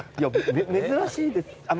珍しいです。